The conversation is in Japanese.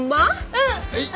うん！